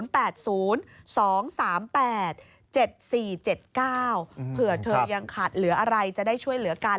เผื่อเธอยังขาดเหลืออะไรจะได้ช่วยเหลือกัน